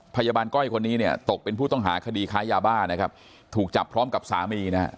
ก้อยคนนี้เนี่ยตกเป็นผู้ต้องหาคดีค้ายาบ้านะครับถูกจับพร้อมกับสามีนะฮะ